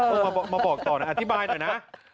เอามาบอกต่อหน่อยอธิบายหน่อยนะ